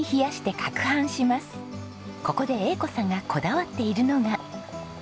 ここで英子さんがこだわっているのが。